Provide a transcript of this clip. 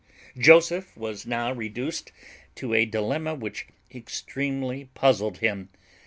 Joseph was now reduced to a dilemma which extremely puzzled him.